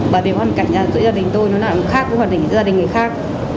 và nếu hoàn cảnh giữa gia đình tôi nó lại khác với hoàn cảnh giữa gia đình người khác